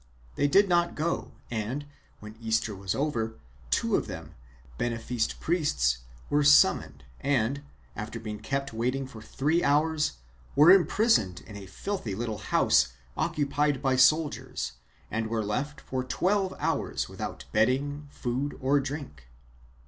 They did not go and, when Easter was over, two of them, beneficed priests, were summoned and, after being kept waiting for three hours, were imprisoned in a filthy little house occupied by soldiers and were left for twelve hours without bedding, food or drink.